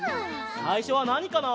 さいしょはなにかな？